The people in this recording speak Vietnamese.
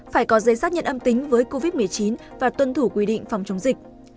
phải có giấy xác nhận âm tính với covid một mươi chín và tuân thủ quy định phòng chống dịch